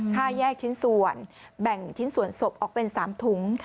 ค่าแยกชิ้นส่วนแบ่งชิ้นส่วนศพออกเป็น๓ถุง